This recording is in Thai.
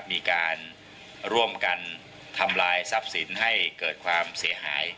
มีการร่วมกันทำลายทรัพย์สินให้เกิดความเสียหาย